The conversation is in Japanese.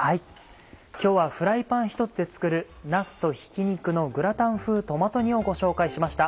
今日はフライパンひとつで作る「なすとひき肉のグラタン風トマト煮」をご紹介しました。